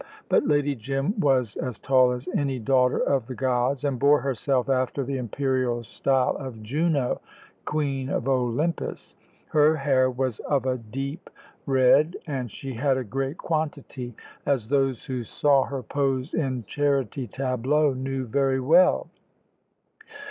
But Lady Jim was as tall as any daughter of the gods, and bore herself after the imperial style of Juno, Queen of Olympus. Her hair was of a deep red, and she had a great quantity, as those who saw her pose in charity tableaux knew very well.